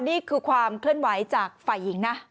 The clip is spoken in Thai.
นี่คือความเคลื่อนไหวจากฝ่ายหญิงนะ